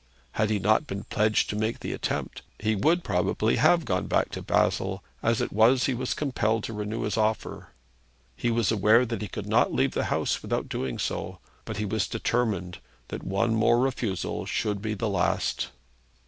Had he not been pledged to make the attempt, he would probably have gone back to Basle; as it was, he was compelled to renew his offer. He was aware that he could not leave the house without doing so. But he was determined that one more refusal should be the last.